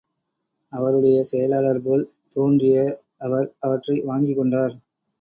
அவருடைய செயலாளர் போல் தோன்றிய அவர் அவற்றை வாங்கிக் கொண்டார்.